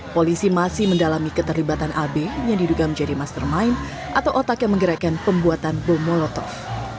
polisi masih mendalami keterlibatan ab yang diduga menjadi mastermind atau otak yang menggerakkan pembuatan bom molotov